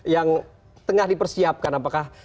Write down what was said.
yang tengah dipersiapkan apakah